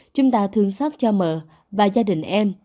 chúng ta thương xót cho mờ và gia đình em